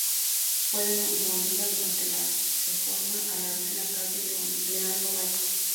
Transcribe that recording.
Fue demolida durante la reforma al abrir la calle Leandro Valle.